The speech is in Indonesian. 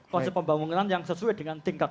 konsep pembangunan yang sesuai dengan tingkat